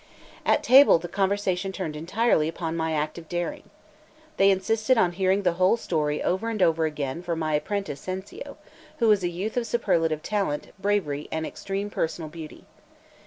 At table the conversation turned entirely upon my act of daring. They insisted on hearing the whole story over and over again from my apprentice Cencio, who was a youth of superlative talent, bravery, and extreme personal beauty.